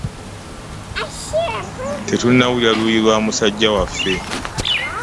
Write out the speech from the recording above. Tetunnawulira luuyi lwa musajja waffe.